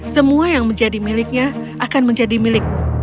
semua yang menjadi miliknya akan menjadi milikku